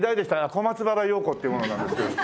小松原庸子っていう者なんですけど。